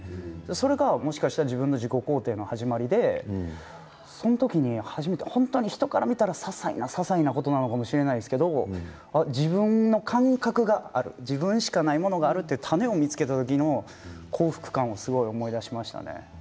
それが、もしかしたら自分の自己肯定の始まりでその時に初めて本当に人から見たらささいなことかもしれないんですけれど自分の感覚がある自分しかないものがあるというものを見つけた時に幸福感を思い出しましたね。